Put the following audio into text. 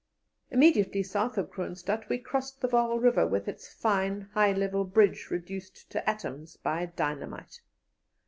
Immediately south of Kroonstadt we crossed the Vaal River, with its fine high level bridge reduced to atoms by dynamite.